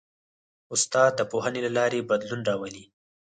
استاد د پوهنې له لارې بدلون راولي.